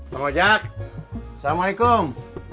bang ojak assalamu'alaikum